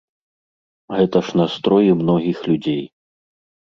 Гэта ж настроі многіх людзей.